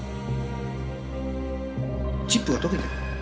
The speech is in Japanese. チップが溶けてる。